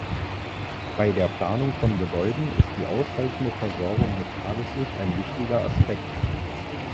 Bei der Planung von Gebäuden ist die ausreichende Versorgung mit Tageslicht ein wichtiger Aspekt.